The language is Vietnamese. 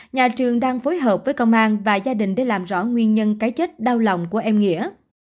nhà trường đang phối hợp với công an và gia đình để làm rõ nguyên nhân cái chết đau lòng của em nghĩa